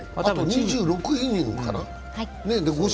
２６イニングかな。